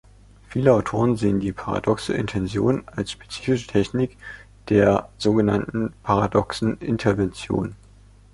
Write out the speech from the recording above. Viele Autoren sehen die paradoxe Intention als spezifische Technik der sogenannten paradoxen Intervention.